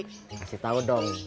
kasih tau dong